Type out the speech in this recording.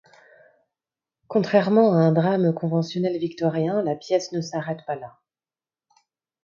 Contrairement à un drame conventionnel victorien, la pièce ne s'arrête pas là.